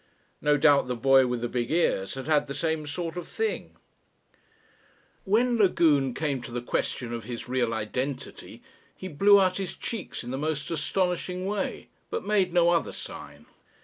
No doubt the boy with the big ears had had the same sort of thing ... When Lagune came to the question of his real identity he blew out his cheeks in the most astonishing way, but made no other sign.